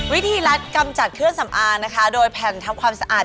วิธีรัฐกำจัดเครื่องสำอางนะคะโดยแผ่นทำความสะอาด